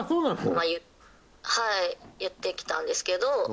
「はい言ってきたんですけど」